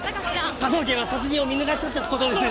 科捜研は殺人を見逃したって事ですよね？